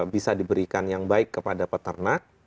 bisa diberikan yang baik kepada peternak